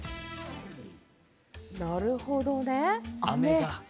なるほどね、あめ。